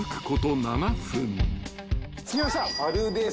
着きました。